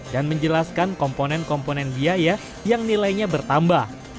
dan menjelaskan komponen komponen biaya yang nilainya bertambah